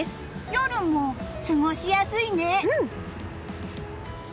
夜も過ごしやすいね！